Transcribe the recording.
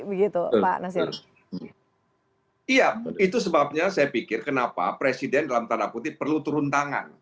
iya itu sebabnya saya pikir kenapa presiden dalam tanda putih perlu turun tangan